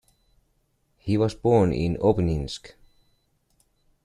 He was born in Obninsk.